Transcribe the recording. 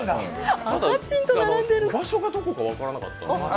場所がどこか分からなかった。